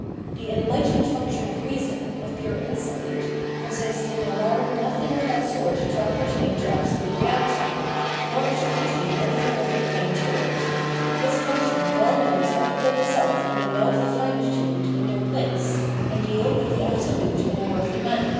The enlightened function of reason, of pure insight, consists in allowing nothing of that sort to appertain to Absolute Eeality, nor attribut ing anything of that kind to it : this function well knows how to put itself and the wealth of "^iiitude in their place, and deal with the Absolute in a worthy manner.